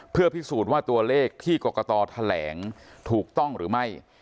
เพื่อพิสูจน์ว่าตัวเลขที่กรกตแถลงถูกต้องหรือไม่